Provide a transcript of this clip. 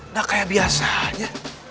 gak kayak biasanya